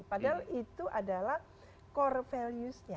padahal itu adalah core valuesnya